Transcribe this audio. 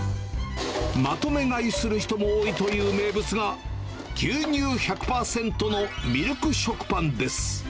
まとめ買いする人も多いという名物が、牛乳１００％のみるく食パンです。